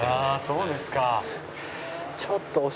そうですか。